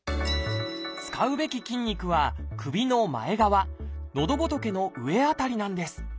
使うべき筋肉は首の前側のどぼとけの上辺りなんです。